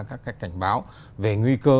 các cái cảnh báo về nguy cơ